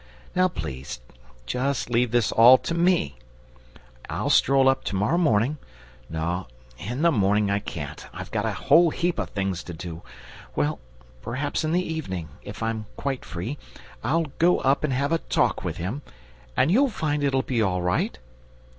Now, please, just leave this all to me. And I'll stroll up to morrow morning no, in the morning I can't, I've got a whole heap of things to do well, perhaps in the evening, if I'm quite free, I'll go up and have a talk to him, and you'll find it'll be all right.